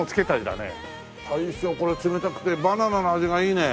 大将これ冷たくてバナナの味がいいね。